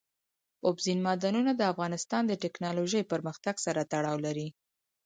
اوبزین معدنونه د افغانستان د تکنالوژۍ پرمختګ سره تړاو لري.